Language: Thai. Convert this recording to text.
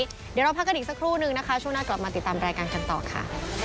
เดี๋ยวเราพักกันอีกสักครู่นึงนะคะช่วงหน้ากลับมาติดตามรายการกันต่อค่ะ